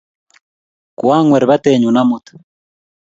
Koang'wer batenyu amut